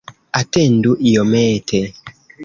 Atendu iomete!